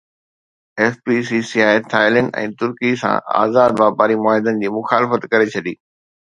F P C C I Thailand ۽ ترڪي سان آزاد واپاري معاهدن جي مخالفت ڪري ڇڏي